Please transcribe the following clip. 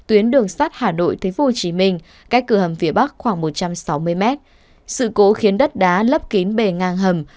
vũ trí minh cách cửa hầm phía bắc khoảng một trăm sáu mươi m sự cố khiến đất đá lấp kín bề ngang hầm